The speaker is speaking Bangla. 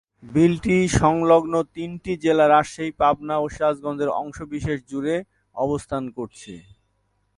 বিলটি সংলগ্ন তিনটি জেলা রাজশাহী, পাবনা ও সিরাজগঞ্জের অংশবিশেষ জুড়ে অবস্থান করছে।